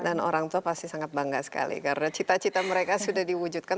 dan orang tua pasti sangat bangga sekali karena cita cita mereka sudah diwujudkan